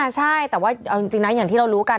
ใช่แต่ว่าเอาจริงนะอย่างที่เรารู้กัน